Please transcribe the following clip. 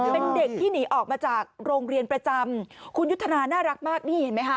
เป็นเด็กที่หนีออกมาจากโรงเรียนประจำคุณยุทธนาน่ารักมากนี่เห็นไหมคะ